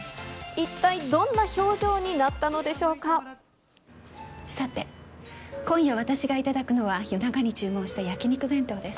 一体どんな表情になったのでさて、今夜私が頂くのは夜中に注文した焼き肉弁当です。